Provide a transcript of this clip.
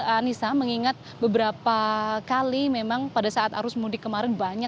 anissa mengingat beberapa kali memang pada saat arus mudik kemarin banyak